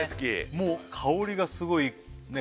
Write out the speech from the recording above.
もう香りがすごいねえ